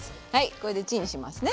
これでチンしますね。